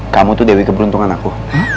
kamu tuh dewi keberuntungan aku